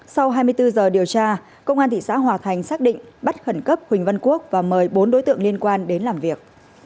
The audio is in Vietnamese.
sau hai mươi bốn giờ điều tra công an thị xã hòa thành xác định bắt khẩn cấp huỳnh văn quốc và mời bốn đối tượng liên quan đến làm việc